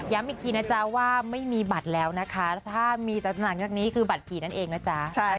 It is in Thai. อีกทีนะจ๊ะว่าไม่มีบัตรแล้วนะคะถ้ามีหลังจากนี้คือบัตรผีนั่นเองนะจ๊ะ